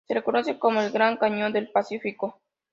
Se le conoce como "El Gran Cañón del Pacífico.